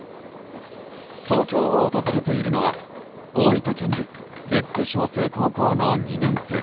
東京を訪れているのは大分県立別府翔青高校の２年生